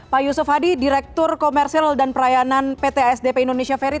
pak yusuf hadi direktur komersil dan perayaan pt asdp indonesia ferry